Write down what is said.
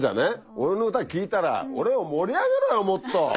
俺の歌聴いたら俺を盛り上げろよもっと！